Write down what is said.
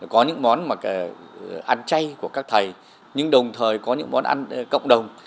có những món mà ăn chay của các thầy nhưng đồng thời có những món ăn cộng đồng